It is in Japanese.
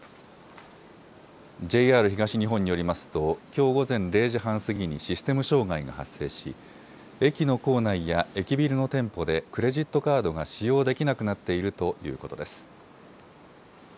ＪＲ東日本によりますときょう午前０時半過ぎにシステム障害が発生し駅の構内や駅ビルの店舗でクレジットカードが使用できなくなっているということです。